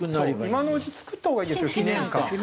今のうち造ったほうがいいですよ記念館。